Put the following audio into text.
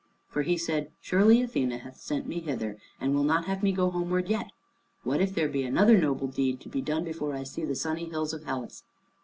For he said, "Surely Athene hath sent me hither, and will not have me go homeward yet. What if there be another noble deed to be done before I see the sunny hills of Hellas?"